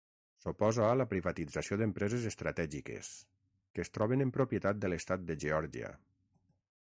S'oposa a la privatització d'empreses estratègiques, que es troben en propietat de l'Estat de Geòrgia.